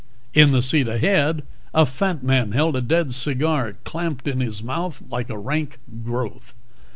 In the seat ahead, a fat man held a dead cigar clamped in his mouth like a rank growth.